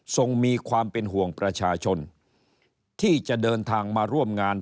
มีความเป็นห่วงประชาชนที่จะเดินทางมาร่วมงาน